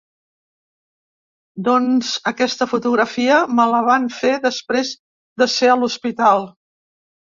Doncs aquesta fotografia, me la van fer després de ser a l’hospital.